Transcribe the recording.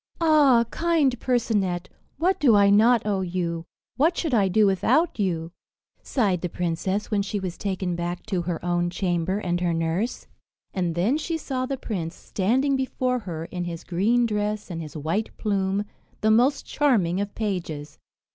"Ah! kind Percinet, what do I not owe you? What should I do without you!" sighed the princess, when she was taken back to her own chamber and her nurse. And then she saw the prince standing before her, in his green dress and his white plume, the most charming of pages.